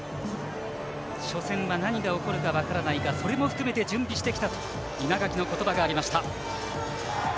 初戦は何が起こるか分からないがそれも含めて準備してきたと稲垣の言葉がありました。